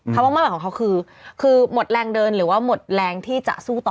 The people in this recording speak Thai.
คำว่ามั่นหมายของเขาคือคือหมดแรงเดินหรือว่าหมดแรงที่จะสู้ต่อ